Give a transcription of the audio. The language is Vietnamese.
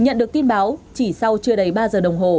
nhận được tin báo chỉ sau chưa đầy ba giờ đồng hồ